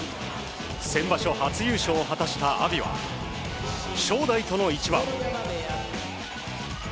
先場所初優勝を果たした阿炎は正代との一番。